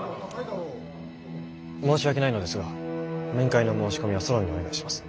申し訳ないのですが面会の申し込みはソロンにお願いします。